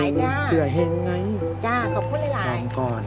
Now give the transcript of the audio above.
๓สองเผื่อแห่งไงก่อนก่อนขอบคุณหลาย